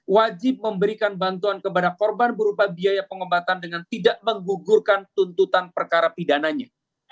wajib memberikan bantuan kepada korban berupa biaya pengobatan dengan tidak menggugurkan tuntutan perkara pidananya